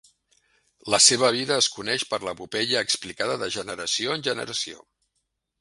La seva vida es coneix per l'epopeia explicada de generació en generació.